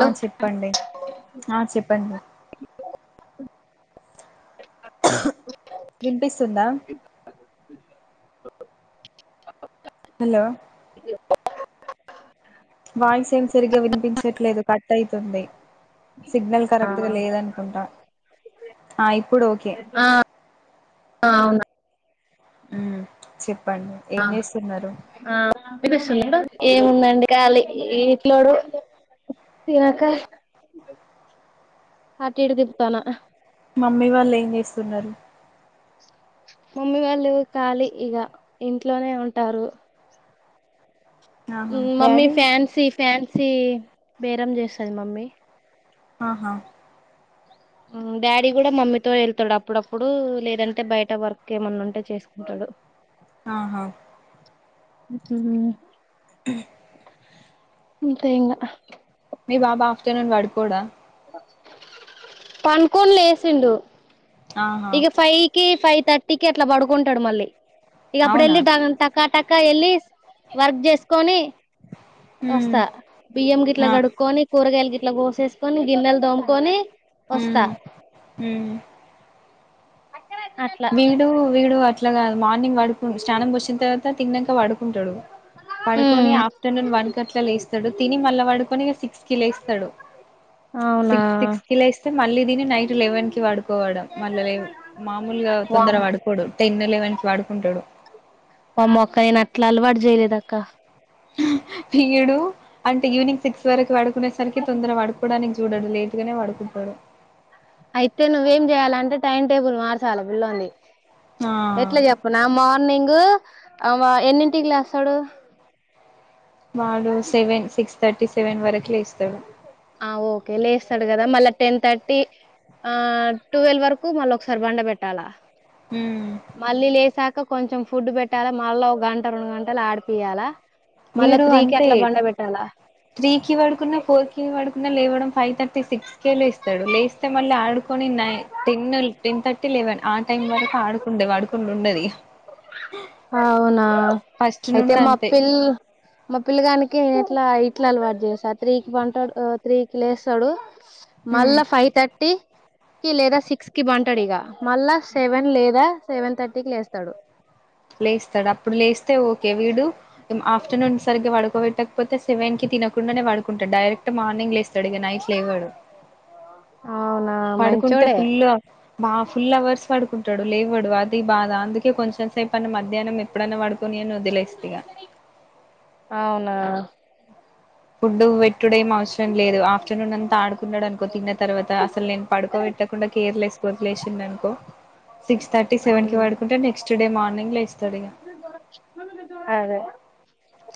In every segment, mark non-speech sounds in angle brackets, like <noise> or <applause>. ఆ చెప్పండి ఆ చెప్పండి వినిపిస్తుందా ఆ హలో అ వాయిస్ ఏం సరిగా వినిపించట్లేదు కట్ అయితంది సిగ్నల్ కరెక్ట్ గా లేదనుకుంటా ఆ ఇప్పుడు ఓకే ఆ అవునా ఉ చెప్పండి ఏం చేస్తున్నారు ఆ ఏముందండి కాళి ఇ పిల్లోడు తియక అడికి ఇడికి తిప్తాన్న మమ్మీ వాళ్ళు ఏం చేస్తున్నారు మమ్మీ వాళ్ళు ఖాళీ ఇగ ఇంట్లోనే ఉంటారు ఆహా మమ్మీ డాడీ ఫ్యాన్సీ ఫ్యాన్సీ బేరం చేస్తుంది మమ్మీ ఆహా ఉ డాడీ కూడా మమ్మీతో వెళ్తాడు అప్పుడప్పుడు లేదంటే బయట వర్క్ ఏమన్నా ఉంటే చేసుకుంటాడు. దో ఆహా అతే అంతే ఇగా మీ బాబా ఆఫ్టర్నూన్ పడుకోడా పనుకోని లేసిండు ఆహా ఇక ఫైవ్ కి ఫైవ్ థర్టీ కి అట్లా పడుకుంటాడు మళ్ళీ ఇగ అప్పుడు అవునా వెళ్ళి టకా టకా వెళ్ళి వర్క్ చేసుకొని మ్ వస్తా బియ్యం గిట్లా ఆ కడుకొని కూరగాయలు గిట్లా కోసేసుకొని గిన్నెలు దోముకొని వస్తా ఉ అట్లా వీడు వీడు అట్ల్ అట్లా కాదు మార్నింగ్ పాడుక్ స్నానం పోసిన తర్వాత తిన్నాక పడుకుంటాడు. పడుకొని ఉమ్ ఆఫ్టర్నూన్ వన్ కట్ల లేస్తాడు తిని మళ్ళా పడుకొని సిక్స్ కి లేస్తాడు. అవునా సిక్స్ సిక్స్ కి లేస్తే మళ్ళీ తిని నైట్ లెవెన్ కి పడుకోవడం మళ్ళ లెవ్ మా మామూలుగా తొందర వామ్ పడుకోడు టెన్ ఎలెవెన్ కి పడుకుంటాడు. వామ్మో అక్క నేను అట్లా అలవాటు చేయలేదు అక్క వీడు అంటే ఈవినింగ్ సిక్స్ వరకు పడుక్ కునేసరికి తొందర పడుకోవడానికి చూడడు లేటుగానే పడుకుంటాడు. అయితే నువ్వేం చేయాలంటే టైం టేబుల్ మార్చాల పిల్లోనిది ఆ ఎట్లా చెప్పనా మార్నింగు ఆ వ ఎన్నింటికి లేస్తాడు. వాడు సెవెన్ సిక్స్ థర్టీ సెవెన్ వరకి లేస్తాడు ఆ ఓకే లేస్తాడు కదా మళ్ళా టెన్ థర్టీ ఆ టువెల్వ్ వరకు మళ్ళీ ఒకసారి పండ పెట్టాలా ఉమ్, మళ్ళీ లేసాక్ క కొంచెం ఫుడ్ పెట్టాలా మళ్ళా ఒక గంట రెండు గంటలు ఆడిపియాలా మళ్ళా వీడు త్రీకి అంతే అట్లా బండ పెట్టాలా త్రీ కి పడుకున్నా ఫోర్ కి పడుక్ నా లేవడం ఫైవ్ థర్టీ సిక్స్ కేే లేస్తాడు లేస్తే మళ్ళీ ఆడుకొని నై టెన్ టెన్ థర్టీ సేవన్ ఆ టైం వరకు ఆడుకుండే పడుకుం ఉండదిగా అవునా అయితే మా అంతే పిల్ మా పిల్లగానికి కే ఇట్లా ఇట్ల అలవాటు చేసా త్రీకి పంటాడు త్రీ కి లేస్తాడు మళ్ళా ఫైవ్ థర్టీ అ కి లేదా సిక్స్ కి బంటాడు ఇగ మళ్ళా సెవెన్ లేదా సెవెన్ థర్టీ కి లేస్తాడు. లేస్తాడు అప్పుడు లేస్తే ఓకే వీడు ఆఫ్టర్నూన్ సరిగ్గా పడుకోపెట్ పోతే సెవెన్కి తినక్ కుండానే పడుకుంటాడు డైరెక్ట్ మార్నింగ్ లే వేస్తాడు ఇక నైట్ లోవాడు. అవునా పడుకుంటే మంచోడే ఫుల్ మా ఫుల్ అవర్స్ పడుకుంటాడు లేవాడు అది బాధ అందుకే కొంచెం సేపు అన మధ్యాహ్నం ఎప్పుడైనా పడుకొని అని వదిలేస్తి ఇగా అవునా ఫుడ్ పెట్టుడేం అవసరం లేదు ఆఫ్టర్నూన్ అంత్ ఆడుకున్నాడు అనుకో తిన్న తర్వాత అసలు నేను పడుకోబెట్టకుండా కేర్లెస్గ వదిలేసిందనుకో సిక్స్ థర్టీ సెవెన్ కి పడుకుంటే నెక్స్ట్ డే మార్నింగ్ లేస్తాడు ఇక అదే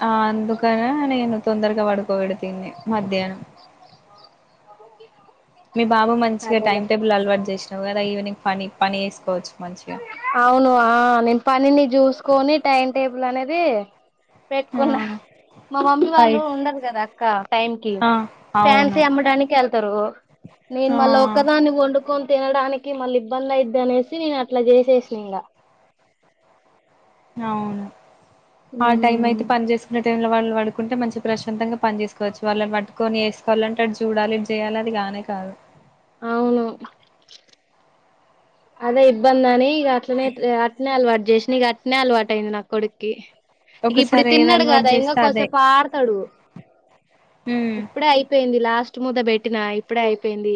ఆ అందుకనే నేను తొందరగా పడుకోబెడతా ఈణ్ణి మధ్యాహ్నం మీ బాబు మంచిగా అదేలే టైమ్ టేబుల్ అలవాటు చేసినావు కదా ఈవినింగ్ పని పని చేేసుకోవచ్చు మంచిగా అవును ఆ నేను పనిని చూసుకోని టైం టేబుల్ అనేది పెట్టుకున్న ఆ మా మమ్మీ వాళ్ళు ఫైవ్ ఉండరు కద అక్క టైం కి ఆ ఫ్యాన్సీ అవును అమ్మడానికి వెళ్తారు నేన్ ఆ మళ్ళ ఒక్కదాని వండుకో తినడానికి మళ్ళీ ఇబ్బంది అయిద్ది అనేసి నేను అట్లా చేసేసిన ఇంకా అవును ఆ టైం అయితే పని చేసుకునే టైం లో వాళ్ళు వాళ్ళు పడుకుంటే మంచి ప్రశాంతంగా పని చేసుకోవచ్చు వాళ్ళని పట్టుకొని చేసుకోవాలంటే అటు చూడాలి ఇది చేయాలి అది గానే కాదు అవును అదే ఇబ్బంది అని ఇక అట్లనే అట్నే అలవాటు చేసినా ఇక అట్నే అలవాటు అయింది నా కొడుక్కి ఇక ఇప్పుడు ఒకసారి ఏది తిన్నాడు అలవాటు కదా చేస్తే అదే ఇంకాకోసేపు ఆడతాడు హ్మ్ ఇప్పుడే అయిపోయింది లాస్ట్ ముద్ద పెట్టినా ఇప్పుడే అయిపోయింది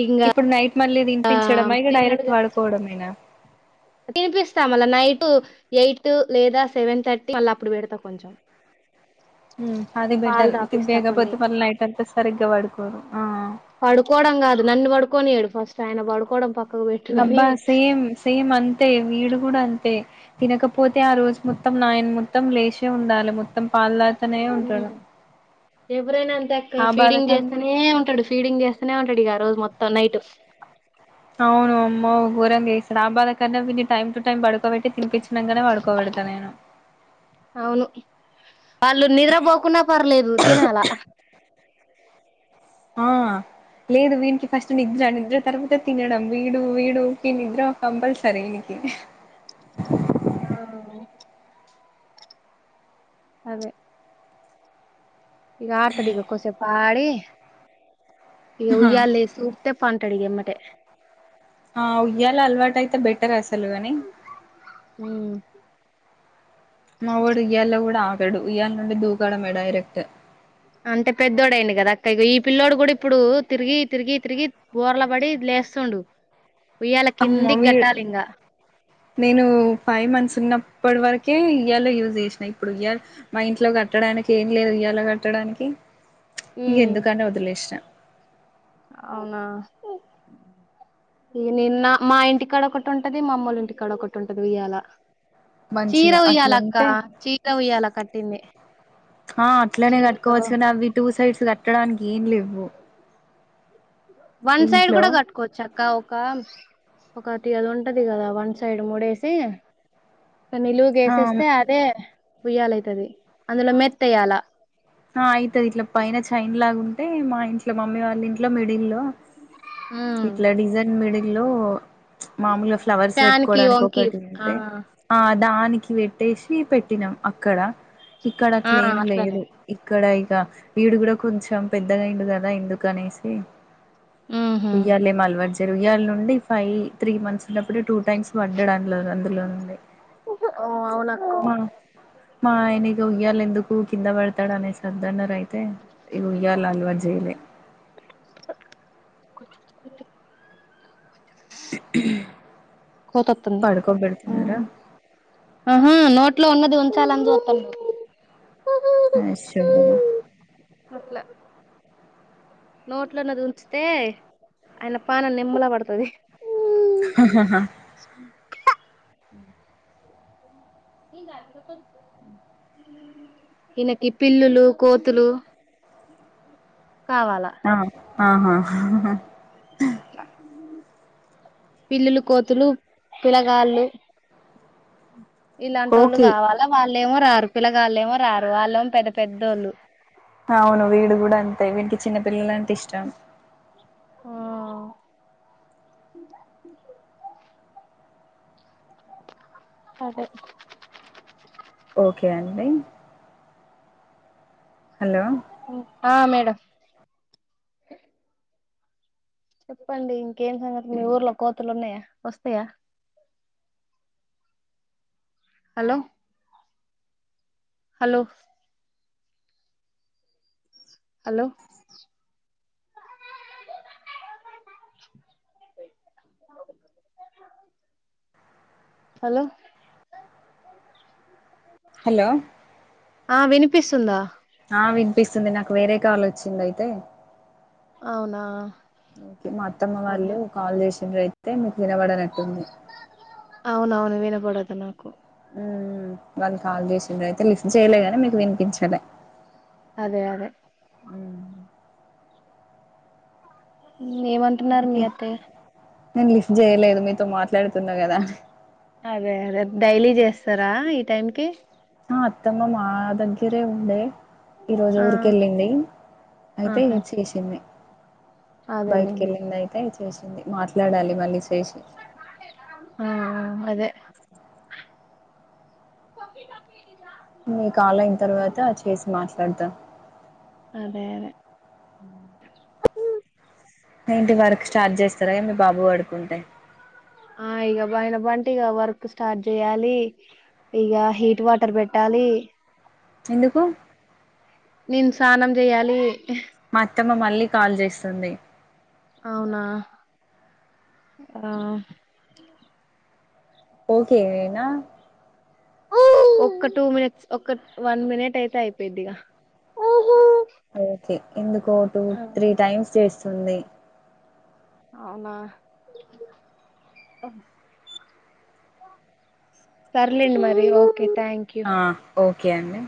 ఇంగా నైట్ మళ్ళీ తినిపించడం ఇగ డైరెక్ట్ తిన్నడుగా పొడుకోవడమేనా తినిపిస్తా మళ్ళ నైటు ఎయిట్ లేదా సెవెన్ థర్టీ మళ్ళ అప్పుడు పెడతా కొంచెం హ్మ్ అది పాలు బెటర్ తాపిస్తా కొన్ని తినిపీయకపోతే మళ్ళీ నైట్ అంతా సరిగ్గా పడుకోరు ఆ పడుకోవడం కాదు నన్ను పడుకొనీయడు ఫస్ట్ ఆయన పడుకోవడం పక్క అబ్బా సేమ్ సేమ్ అం అంతే వీడు కూడా అంతే తినకపోతే ఆ రోజు మొత్తం నాయన మొత్తం లేచే ఉండాలి. మొ తంతనే ఉంటాడు ఎవరైనా అంతేఅక్క ఆ బాధ ఫీడింగ్ కన్ చేస్తనే ఉంటాడు ఫీడింగ్ చేస్తనే ఉంటాడు ఇగ రోజు మొత్తం నైటు అవును అమ్మో ఘోరం గా ఏడస్తాడు ఆ బాధ కన్నా వీడిని టైమ్ టు టైమ్ పడు ఒక్క పెట్టి తినిపించినకనే పొడుకోబెడతా నేను అవును వాళ్ళు నిద్రపోకున్నా పర్లేదు తినాలా ఆ లేదు వీనికి ఫస్ట్ నిద్ర నిద్ర తర్వాతే తినడం వీడు వీడికి నిద్ర కంపల్సరీ అయిద్ది ఆ అదే ఇక ఆడతడు ఇక కూసేపు ఆడి ఇక ఉయ్యాల్లో ఏసి ఊపితే పన్ కుంటడు ఎమ్మటే ఆ ఉయ్యాల అలవాటు అయితే బెటర్ అసలు అని హ్మ్ మావోడు ఉయ్యాల లోకూడా ఆగడు ఉయ్యాల నుండి దూకడమే డైరెక్ట్ అంటే పెద్దోడు అయిండు కదా అక్క ఈ పిల్లోడు కూడా ఇప్పుడు తిరిగి తిరిగి తిరిగి బోర్ల పడి లే లేస్తుండు అ ఉయ్యాల కిందికి కట్టాలింగ నేను ఫైవ్ మంత్స్ ఉన్నప్పటి వరకే ఉయ్యాల లో యూజ్ చేసినా ఇప్పుడు ఉయ్యాల మా ఇంట్లో కట్ కట్టడానికి ఏం లేదు ఉయ్యాల కట్టడానికి ఇక ఉమ్ ఎందుకని వదిలేసినా అవునా ఈ నిన్న మా ఇంటికాడ ఒకటి ఉంటది మా అమ్మోళ్ళ ఇంటికాడ ఒకటి ఉంటది ఉయ్యాల చీర మంచిగా ఉయ్యాల అక్క అట్లుంటే చీర ఉయ్యాల కట్టింది ఆ అట్లనే చీరతో కట్టుకోవచ్చు కాని అవి టూ సైడ్స్ కట్టడానికి ఏం లెవ్వు వన్ సైడ్ కూడా కట్టుకోవచ్చు అక్క ఒక ఒకటి అది ఉంటది కదా వన్ సైడ్ మూడేసి నిలువు ఆ గేసేస్తే అదే ఉయ్యాలైతది అందులో మెత్త ఎయాల ఆ అయితది ఇట్లా పైన చైన్ లాగా ఉంటే మా ఇంట్లో మమ్మీ వాళ్ళ ఇంట్లో మిడిల్ లో ఉమ్ ఇట్లా డిజన్ మిడిల్ ల్లో మామూలుగా ఫ్లవర్స్ ఫ్యాన్ కి పెట్టుకోవడానికి వంకి ఒకటి ఆ ఉంటే దానికి పెట్టేసి పెట్టినాం అక్కడ ఇక్కడ ఆ అట్లేం అట్లనే లేదు. ఇక్కడ ఇగ వీడు కూడా కొంచెం పెద్దగా అయ్యిండు కదా ఎందుకు అనేసి ఊహు ఉయ్యాలేమ్ అలవాట్ చెయ్యను ఉయ్యాల నుండి ఫైవ్, త్రీ మంత్స్ ఉన్నప్పుడు టూ టైమ్స్ పడ్డడు అందులో ను అందులో నుండే ఓ అవునక్క మా మా ఆయన ఇగ ఉయ్యలెందుకు కింద పడ్తడు అనేసి వద్దన్నరు ఆయన అయితే ఇగ ఉయ్యాలా అలవాటు చెయ్యాలె కోతోతుంది పడుకోబెడుతున్నారా ఆహా నో ఇంట్లో ఉన్నది ఉంచాలని చూతం అష <unintelligible> అట్లా నోట్లోన్నది ఉంచితే ఆయన పానం నిమ్మలా పడతది. హా హా ఈ గదులో కొంచు ఈయనకి పిల్లులు, కోతులు కావాలా ఆ ఆహా హా పిల్లులు, కోతులు, పిలగాళ్ళు ఇలాంటోళ్ళు ఓకే కావాలా వాళ్ళేమో రారు పిల్లగాళ్ళేమో రారు వాళ్ళేమో పెద్ద పెద్దోళ్ళు అవును వీడు కూడా అంతే వీనికి చిన్నపిల్లల అంటే ఇష్టం. ఆ అదే ఓకే అండి హలో ఆ మేడం చెప్పండి ఇంకేం సంగతి మీ ఊర్లో కోతులు ఉన్నాయా వస్తాయా hello hello hello hello hello ఆ వినిపిస్తుందా ఆ వినిపిస్తుంది నాకు వేరే కాల్ వచ్చింది అయితే అవునా ఒకే మా అత్తమ్మ అదే వాళ్ళు కాల్ చేస్ దీని మీద ఎత్తే మీ పిలగాడని ఎత్తింది. వడద్నాకు హ్మ్ హు వాళ్ళు కాల్ చేసిర్రు అయితే లిఫ్ట్ చేయలేగానీ మీకు వినిపించలే అదే అదే హ్మ్ ఇంగ ఏమంటున్నారు మీ ఇంకే అత్తయ్య నేను లిఫ్ట్ చేయలేదు మీతో మాట్లాడుతున్నా కదా అదే అదే డైలీ చేస్తరా ఈ టైంకి ఆ అత్తమ్మ మా దగ్గరే ఉండే ఈరోజు ఆ ఊరికెళ్ళింది అయితే ఆహా చేసింది బయట్కి అదేలేండి వెళ్ళింద అయితే చేసింది మాట్లాడాలి మళ్ళేసి ఆ ఆ అదే తొక్కి తొక్కి మీ కాల్ అయిన తర్వాత చేసి మాట్లాడతా. అదే అదే హుమ్ ఏంటి వర్క్ స్టార్ట్ చేస్తారా ఏంది బాబు పడుకుంటే. ఆ ఇగ పైన పంటె ఇగ వర్క్ స్టార్ట్ చేయాలి. ఇగా హీట్ వాటర్ పెట్టాలి. ఎందుకు నేను స్నానం చేయాలి. మా అత్తమ్మ మళ్ళీ కాల్ చేస్తుంది. అవునా ఆ ఓకే నా ఒక్క టూ మినిట్స్ ఒక్క వన్ మినిట్ అయితే అయిపోయిద్దిగా. ఓకే ఎందుకో టూ ఆ, త్రీ టైమ్స్ చేస్తుంది. అవునా సర్లేండి మరి రో ఆ ఓకే అండి